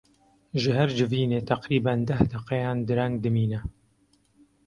Ji her civînê teqrîben deh deqeyan dereng dimîne.